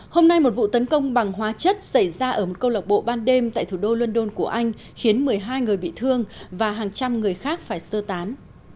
hôm nay một vụ tấn công bằng hóa chất xảy ra ở một câu lạc bộ ban đêm tại thủ đô london của anh khiến một mươi hai người bị thương và hàng trăm người khác phải sơ tán